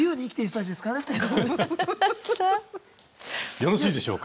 よろしいでしょうか？